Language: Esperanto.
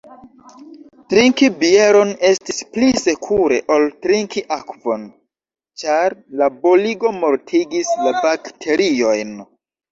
Trinki bieron estis pli sekure ol trinki akvon, ĉar la boligo mortigis la bakteriojn.